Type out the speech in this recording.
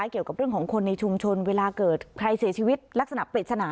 เกี่ยวกับเรื่องของคนในชุมชนเวลาเกิดใครเสียชีวิตลักษณะปริศนา